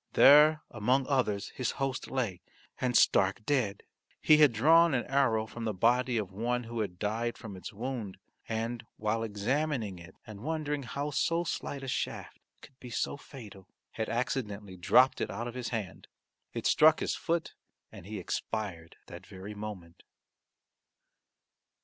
There among others his host lay, and stark dead. He had drawn an arrow from the body of one who had died from its wound, and, while examining it and wondering how so slight a shaft could be so fatal, had accidentally dropped it out of his hand. It struck his foot and he expired that very moment.